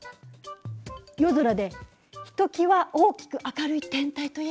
夜空でひときわ大きく明るい天体といえば？